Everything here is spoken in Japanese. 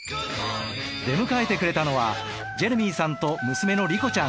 出迎えてくれたのはジェレミーさんと娘のリコちゃん